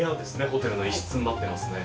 ホテルの一室になってますね。